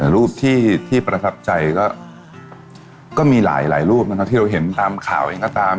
แต่รูปที่ประทับใจก็มีหลายรูปนะครับที่เราเห็นตามข่าวเองก็ตาม